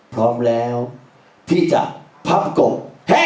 พร้อมแล้วที่จะพับกบ